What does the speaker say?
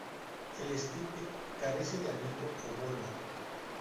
El estipe carece de anillo o volva.